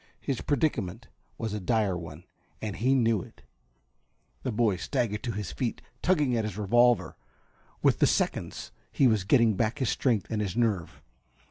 His predicament was a dire one and he knew it. The boy staggered to his feet, tugging at his revolver. With the seconds he was getting back his strength and his nerve.